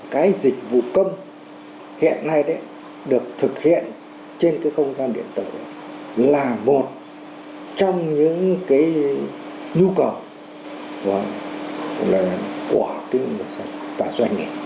cái dịch vụ công hiện nay được thực hiện trên không gian điện tử là một trong những nhu cầu của doanh nghiệp